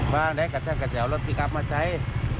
บ้างนะครับถ้าเกิดจะเอารถพี่กัลมาใช้